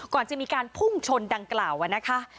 ก่อนจะมีการพุ่งชนดังกล่าวนะคะ